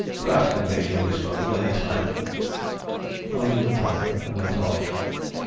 "Pratt can be at your disposal, any time." Collingwood thanked him and went off.